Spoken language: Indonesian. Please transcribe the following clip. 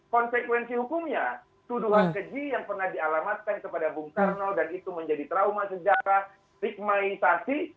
konsekuensi hukumnya tuduhan keji yang pernah dialamatkan kepada bung karno dan itu menjadi trauma sejarah stigmaisasi